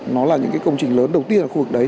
nó là những cái công trình lớn đầu tiên ở khu vực đấy